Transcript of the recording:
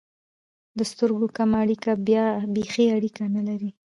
د سترګو کمه اړیکه یا بېخي اړیکه نه لري.